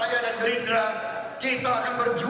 tapi kalau saya tidak dibutuhkan dan ada orang lain yang lebih baik